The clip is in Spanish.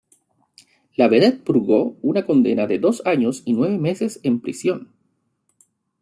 La vedette purgó una condena de dos años y nueve meses en prisión.